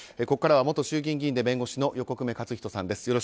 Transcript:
ここからは元衆議院議員で弁護士の横粂勝仁さんです。